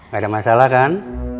gak ada masalah kan